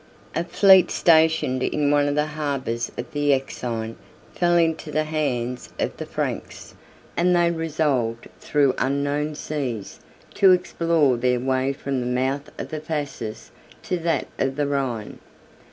A fleet stationed in one of the harbors of the Euxine fell into the hands of the Franks; and they resolved, through unknown seas, to explore their way from the mouth of the Phasis to that of the Rhine.